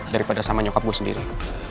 daripada sama nyokap gue sendiri